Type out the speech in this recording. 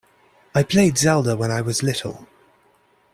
I played Zelda when I was little.